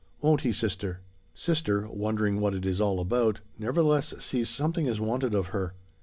Won't he, sister?" Sister, wondering what it is all about, nevertheless sees something is wanted of her.